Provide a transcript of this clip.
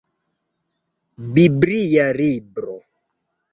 Biblia libro.